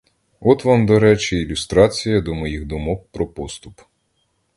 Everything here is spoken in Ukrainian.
От вам, до речі, ілюстрація до моїх думок про поступ.